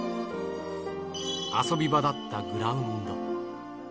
遊び場だったグラウンド。